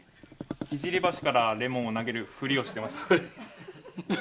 聖橋からレモンを投げる振りをしていました。